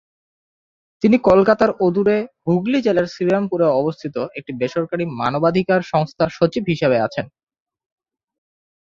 তিনি কলকাতার অদূরে হুগলি জেলার শ্রীরামপুরে অবস্থিত একটি বেসরকারী মানবাধিকার সংস্থার সচিব হিসাবে আছেন।